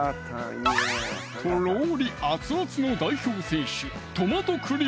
とろり熱々の代表選手